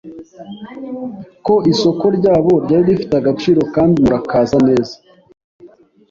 Ko isoko ryabo ryari rifite agaciro kandi murakaza neza